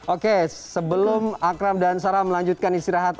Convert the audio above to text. oke sebelum akram dan sarah melanjutkan istirahat